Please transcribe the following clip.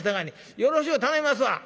よろしゅう頼みますわ。